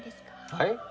はい？